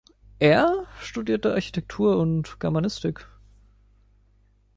Er studierte Architektur und Germanistik.